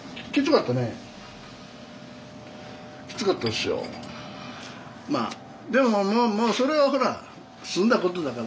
そういうまあでももうそれはほら済んだことだから。